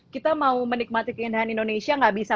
kita mau menikmati keindahan indonesia nggak bisa